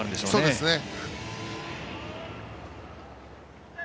そうですね。